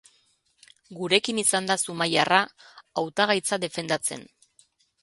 Gurekin izan da zumaiarra, hautagaitza defendatzen.